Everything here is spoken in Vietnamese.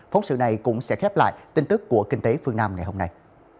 phóng sự này cũng sẽ khép lại tin tức của kinh tế phương nam ngày hôm nay